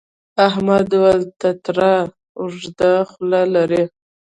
احمد وویل تتارا اوږده خوله لري.